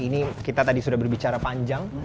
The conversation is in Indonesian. ini kita tadi sudah berbicara panjang